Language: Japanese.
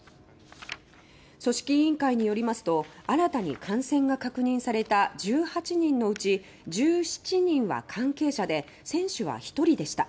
組織委員会によりますと新たに感染が確認された１８人のうち１７人は関係者で選手は１人でした。